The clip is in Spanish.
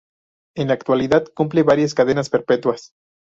En la actualidad cumple varias cadenas perpetuas.